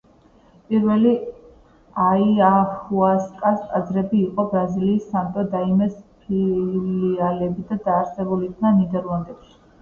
პირველი აიაჰუასკას ტაძრები იყო ბრაზილიის სანტო დაიმეს ფილიალები და დაარსებულ იქნა ნიდერლანდებში.